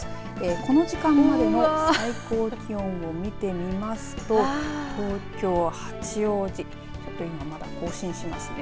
この時間までの最高気温を見てみますと東京八王子ちょっと今更新しましたね。